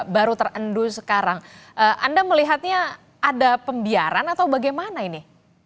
dua ribu dua puluh dua baru terendus sekarang anda melihatnya ada pembiaran atau bagaimana ini